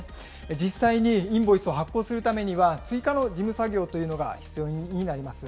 実際にインボイスを発行するためには、追加の事務作業というのが必要になります。